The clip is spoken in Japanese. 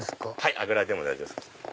あぐらでも大丈夫です。